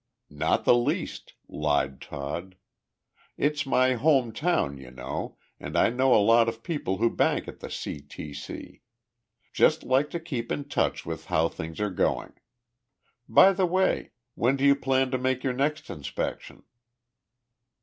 "Not the least," lied Todd. "It's my home town, you know, and I know a lot of people who bank at the C. T. C. Just like to keep in touch with how things are going. By the way, when do you plan to make your next inspection?"